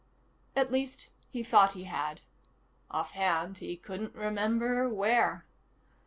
At least, he thought he had. Offhand, he couldn't remember where.